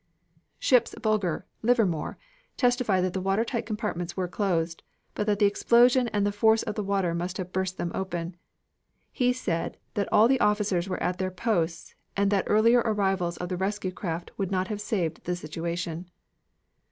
Ship's Bugler Livermore testified that the watertight compartments were closed, but that the explosion and the force of the water must have burst them open. He said that all the officers were at their posts and that earlier arrivals of the rescue craft would not have saved the situation.